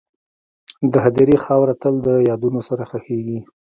د هدیرې خاوره تل د یادونو سره ښخېږي..